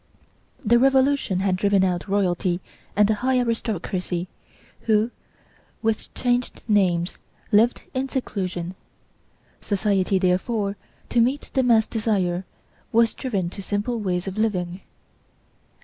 The Revolution had driven out royalty and the high aristocracy who, with changed names lived in seclusion. Society, therefore, to meet the mass desire, was driven to simple ways of living.